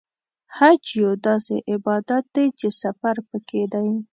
حج یو داسې عبادت دی چې سفر پکې دی.